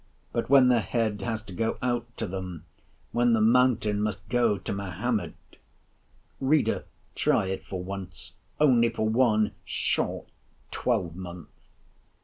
But when the head has to go out to them—when the mountain must go to Mahomet— Reader, try it for once, only for one short twelvemonth.